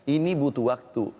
ini butuh waktu